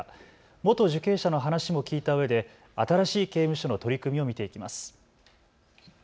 元受刑者の話も聞いたうえで新しい刑務所の取り組みを見ていきます。